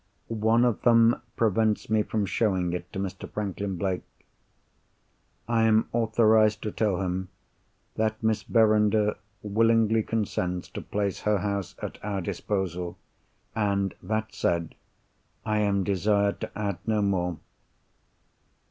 One of them prevents me from showing it to Mr. Franklin Blake. I am authorised to tell him that Miss Verinder willingly consents to place her house at our disposal; and, that said, I am desired to add no more.